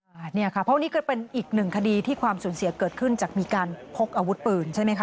อันนี้ค่ะเพราะวันนี้ก็เป็นอีกหนึ่งคดีที่ความสูญเสียเกิดขึ้นจากมีการพกอาวุธปืนใช่ไหมคะ